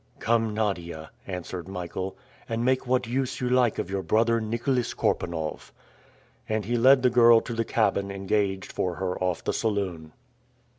"Come, Nadia," answered Michael, "and make what use you like of your brother Nicholas Korpanoff." And he led the girl to the cabin engaged for her off the saloon.